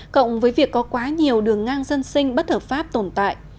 cộng với việc có quá nhiều đường ngang dân sinh bất hợp pháp tồn tại